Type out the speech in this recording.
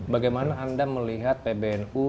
bagaimana anda melihat pbnu